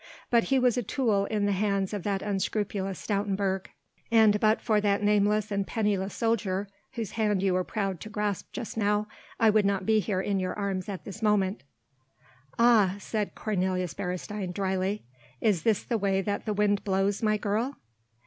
But he was a tool in the hands of that unscrupulous Stoutenburg and but for that nameless and penniless soldier whose hand you were proud to grasp just now, I would not be here in your arms at this moment." "Ah!" said Cornelius Beresteyn dryly, "is this the way that the wind blows, my girl?